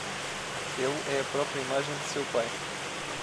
Ele é a própria imagem de seu pai